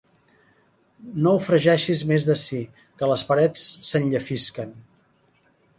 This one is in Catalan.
No ho fregeixis més ací, que les parets s'enllefisquen.